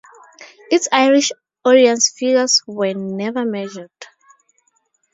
Its Irish audience figures were never measured.